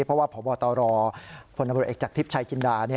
เพราะว่าพบตรพนเอกจากทิพย์ชายจินดา